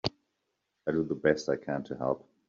I do the best I can to help.